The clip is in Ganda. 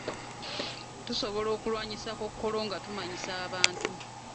Tusobola okulwanyisa Kkookolo nga tumanyisa abantu.